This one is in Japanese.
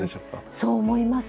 そう思います